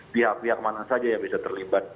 pihak pihak mana saja yang bisa terlibat